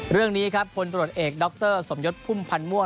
เรื่องนี้ครับคนตรวจเอกดรสมยศพุ่มพันธ์ม่วง